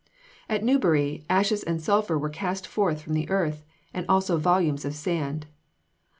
At Newbury, ashes and sulphur were cast forth from the earth, and also volumes of sand.